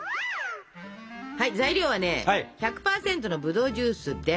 材料はね１００％のぶどうジュースです。